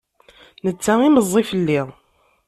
Netta i meẓẓi fell-i.